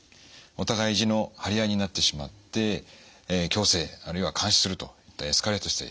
お互い意地の張り合いになってしまって強制あるいは監視するとエスカレートして。